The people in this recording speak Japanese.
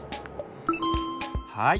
はい。